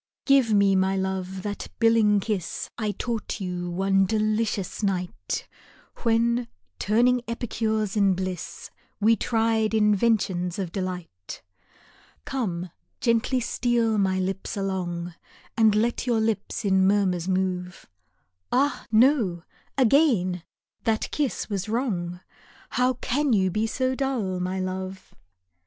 GIVE me, my lc" e, that billing kiss I taught you one delicious night, When, turning epicures in bliss, We tried inventions of delight. Come, gently steal my lips along, And let your lips in murmurs move, Ah, no ! again that kiss was wrong, How can you be so dull, my love